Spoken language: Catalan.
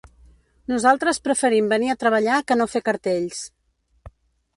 Nosaltres preferim venir a treballar que no fer cartells.